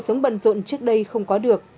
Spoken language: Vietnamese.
sống bận rộn trước đây không có được